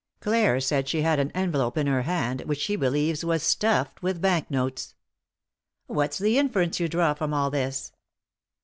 Clare said she had an envelope in her hand which she believes was stuffed with bank notes." "What's the inference you draw from all this